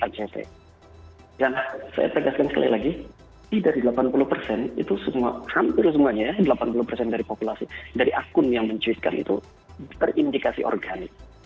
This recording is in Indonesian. dan saya pegaskan sekali lagi dari delapan puluh persen itu hampir semuanya ya delapan puluh persen dari populasi dari akun yang mencuitkan itu terindikasi organik